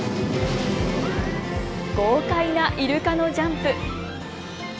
豪快なイルカのジャンプ。